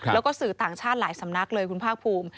แล้วก็สื่อต่างชาติหลายสำนักเลยคุณภาคภูมิ